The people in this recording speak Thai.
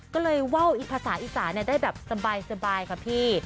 ก็เลยว่าวภาษาอีสานได้แบบสบายค่ะพี่